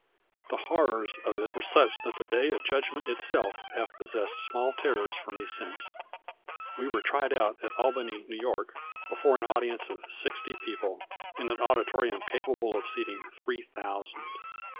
The horrors of it were such that the Day of Judgment itself have possessed small terrors for me since. We were tried out at Albany, New York, before an audience of sixty people, in an auditorium capable of seating three thousand.